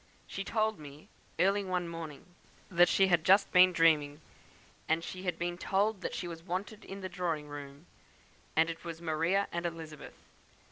She told me, early one morning, that she had just been dreaming; she had been told that she was wanted in the drawing room, and it was Maria and Elizabeth.